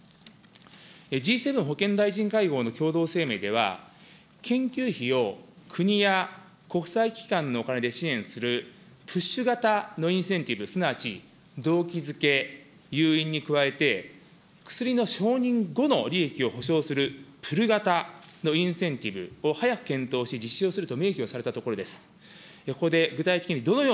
Ｇ７保健大臣会合の共同声明では、研究費を国や国際機関のお金で支援するプッシュ型のインセンティブ、すなわち動機づけ、に加えて、薬の承認後の利益を保証するプル型のインセンティブを早く検討し実施をすると明記をされたところです。